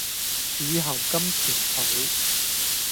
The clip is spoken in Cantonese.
柱侯金錢肚